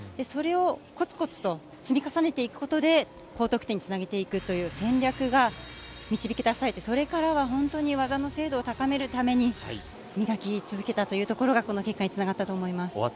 それをこつこつと積み重ねていくことで、高得点につなげていくという戦略が導き出されて、それからは本当に、技の精度を高めるために磨き続けたというところが、この結果につながったと思います。